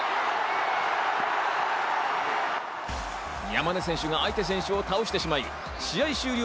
山根選手が相手選手を倒してしまい試合終了